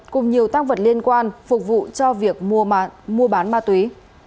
cùng nhiều tăng vật liên quan phục vụ cho việc mua bán ma túy